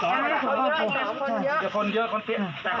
แต่เขาติดคนเยอะไง